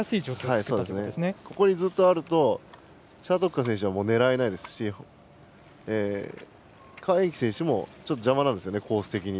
そこにずっとあると謝徳樺選手は狙えないですし何宛淇選手も邪魔なんですよねコース的に。